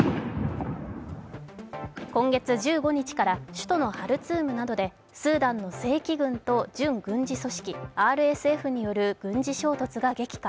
今月１５日から首都のハルツームなどでスーダンの正規軍と準軍事組織・ＲＳＦによる軍事衝突が激化。